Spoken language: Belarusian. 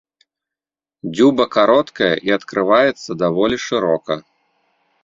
Дзюба кароткая і адкрываецца даволі шырока.